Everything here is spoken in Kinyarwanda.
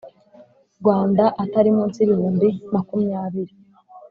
Rwanda atari munsi y ibihumbi makumyabiri